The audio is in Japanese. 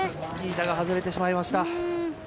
スキー板が外れてしまいました。